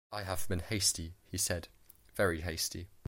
‘I have been hasty,’ he said, ‘very hasty.